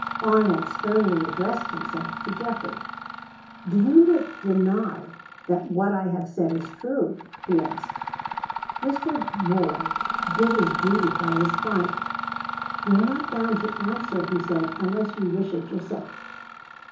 Arnold sternly addressed himself to Geoffrey. "Do you deny that what I have said is true?" he asked. Mr. Moy did his duty by his client. "You are not bound to answer," he said, "unless you wish it yourself."